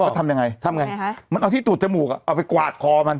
รู้แบบเขาทำยังไงมันเอาที่ตรวจจมูกอะเอาไปกวาดคอมัน